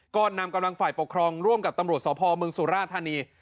ก็นำกำลังฝ่ายปกครองร่วมกับตำรวจสพเมืองสุราธานี